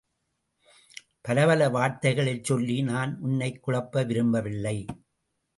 பலப்பல வார்த்தைகளைச் சொல்லி நான் உன்னைக் குழப்ப விரும்பவில்லை.